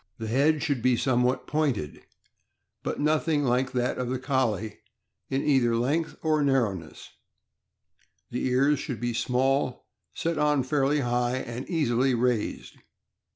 The head should be somewhat pointed, but nothing like that of the Collie in either length or narrowness; the ears should be small, set on fairly high, and easily raised.